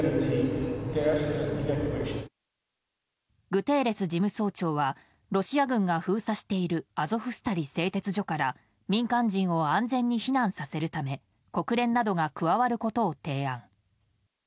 グテーレス事務総長はロシア軍が封鎖しているアゾフスタリ製鉄所から民間人を安全に避難させるため国連などが加わることを提案。